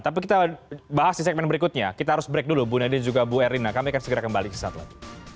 tapi kita bahas di segmen berikutnya kita harus break dulu bu nadia juga bu erina kami akan segera kembali sesaat lagi